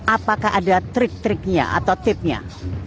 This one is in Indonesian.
apakah ada trik triknya atau tipnya